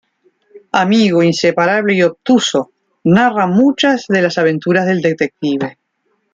Amigo inseparable y obtuso, narra muchas de las aventuras del detective.